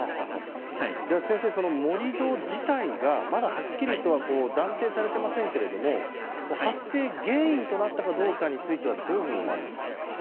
先生、盛り土自体がまだ、はっきりとは断定されていませんが発生原因となったかどうかについては、どう思われますか。